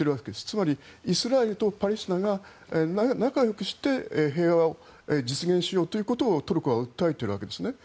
つまりイスラエルとパレスチナが仲よくして平和を実現しようということをトルコは訴えているわけですね。